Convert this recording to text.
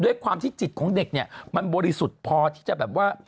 ด้วยความที่จิตของเด็กเนี่ยมันบริสุทธิ์พอที่จะแบบว่า